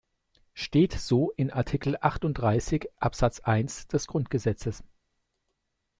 Steht so in Artikel achtunddreißig, Absatz eins des Grundgesetzes.